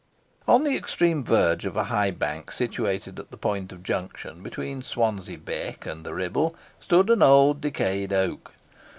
On the extreme verge of a high bank situated at the point of junction between Swanside Beck and the Ribble, stood an old, decayed oak.